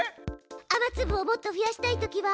雨つぶをもっと増やしたいときは？